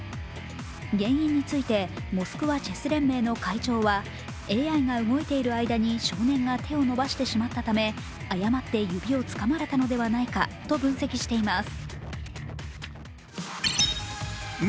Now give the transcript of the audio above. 原因についてモスクワチェス連盟の会長はＡＩが動いている間に少年が手を伸ばしてしまったため綾間って指をつかまれたのではないかと分析しています。